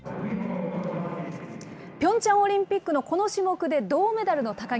ピョンチャンオリンピックのこの種目で銅メダルの高木。